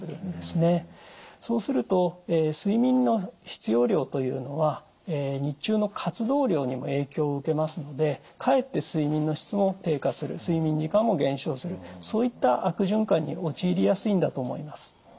そうすると睡眠の必要量というのは日中の活動量にも影響を受けますのでかえって睡眠の質も低下する睡眠時間も減少するそういった悪循環に陥りやすいんだと思います。